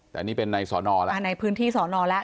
แต่นี่เป็นในสอนอแล้วในพื้นที่สอนอแล้ว